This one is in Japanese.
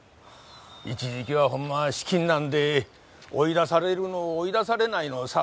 一時期はほんま資金難で追い出されるの追い出されないの騒ぎやったから。